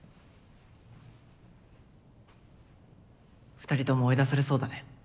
２人とも追い出されそうだね。